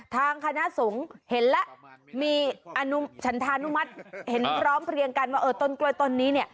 ทางคณะสงฆ์เห็นแล้วมีอนุชันธานุมัติเห็นพร้อมเพลียงกันว่าเออต้นกล้วยต้นนี้เนี่ย